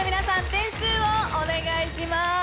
点数をお願いします。